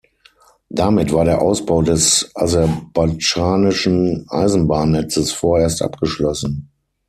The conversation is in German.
Damit war der Ausbau des aserbaidschanischen Eisenbahnnetzes vorerst abgeschlossen.